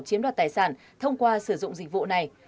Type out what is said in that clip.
chiếm đoạt tài sản thông qua sử dụng dịch vụ này